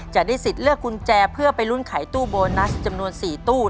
จะได้สิทธิ์เลือกกุญแจเพื่อไปลุ้นไขตู้โบนัสจำนวน๔ตู้